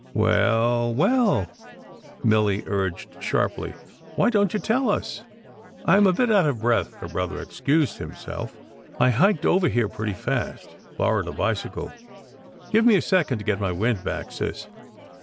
" Well well? " Milly urged him sharply. " Why don t you tell us?" "I m a bit out of breath," her brother excused himself. " I hiked over here pretty fast borrowed a bicycle. Give me a second to get my wind back, sis."